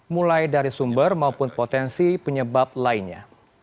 mulai dari sumber maupun potensi penyebab lainnya